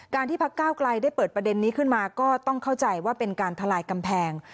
ที่พักก้าวไกลได้เปิดประเด็นนี้ขึ้นมาก็ต้องเข้าใจว่าเป็นการทลายกำแพง